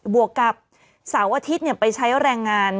วกกับเสาร์อาทิตย์ไปใช้แรงงาน